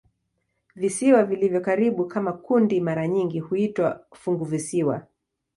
Visiwa vilivyo karibu kama kundi mara nyingi huitwa "funguvisiwa".